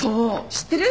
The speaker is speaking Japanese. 知ってる？